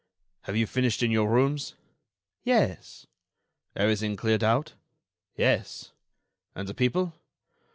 "Have you finished in your rooms?" "Yes." "Everything cleared out?" "Yes." "And the people?"